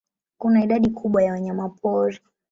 Kuna idadi kubwa ya wanyamapori.